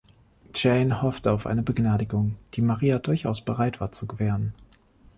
Jane hoffte auf eine Begnadigung, die Maria durchaus bereit war zu gewähren.